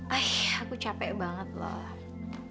ah aku capek banget loh